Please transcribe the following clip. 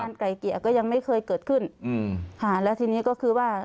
ไกลเกลี่ยก็ยังไม่เคยเกิดขึ้นอืมค่ะแล้วทีนี้ก็คือว่า